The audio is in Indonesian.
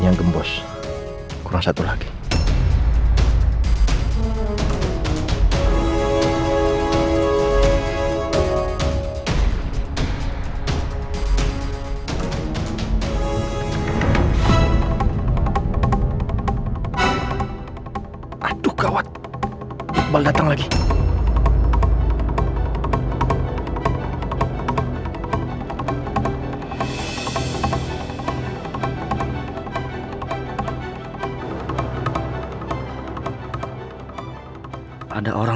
yang satu percaya lagi diyor